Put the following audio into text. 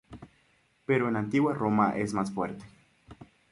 Pero en la antigua Roma es más fuerte.